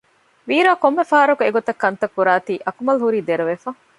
ވީރާ ކޮންމެ ފަހަރަކު އެގޮތަށް ކަންތައް ކުރާތީ އަކުމަލް ހުރީ ދެރަވެފަ